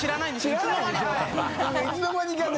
いつの間にかね